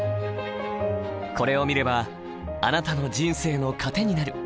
これを見ればあなたの人生の糧になる。